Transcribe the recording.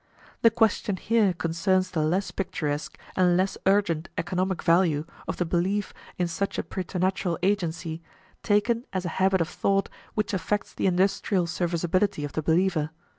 The question here concerns the less picturesque and less urgent economic value of the belief in such a preternatural agency, taken as a habit of thought which affects the industrial serviceability of the believer.